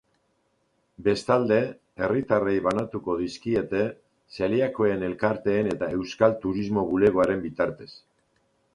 Bestalde, herritarrei banatuko dizkiete, zeliakoen elkarteen eta euskal turismo bulegoen bitartez.